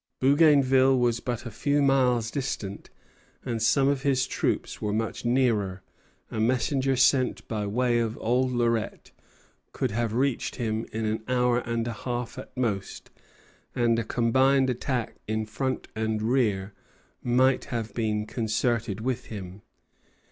Bougainville was but a few miles distant, and some of his troops were much nearer; a messenger sent by way of Old Lorette could have reached him in an hour and a half at most, and a combined attack in front and rear might have been concerted with him.